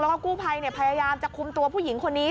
แล้วก็กู้ภัยพยายามจะคุมตัวผู้หญิงคนนี้